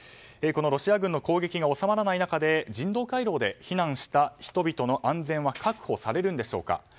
このロシア軍の攻撃が収まらない中で人道回廊で避難した人々の安全は確保されるのでしょうか。